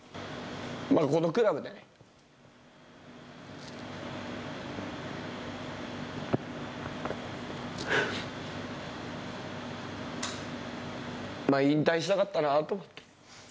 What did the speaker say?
このクラブで、引退したかったなと思って。